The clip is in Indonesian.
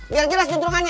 biar jelas contohannya